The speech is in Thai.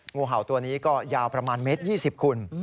งูเห่าตัวนี้ก็ยาวประมาณเม็ดยี่สิบคุณ